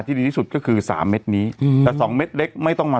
ดีที่สุดก็คือสามเม็ดนี้อืมแต่สองเม็ดเล็กไม่ต้องมา